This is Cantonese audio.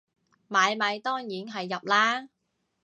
買米當然係入喇